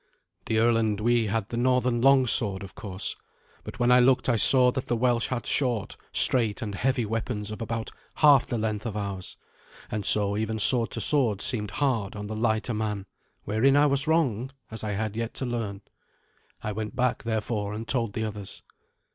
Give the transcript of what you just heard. The earl and we had the northern long sword, of course; but when I looked I saw that the Welsh had short, straight, and heavy weapons of about half the length of ours, and so even sword to sword seemed hard on the lighter man; wherein I was wrong, as I had yet to learn. I went back, therefore, and told the others.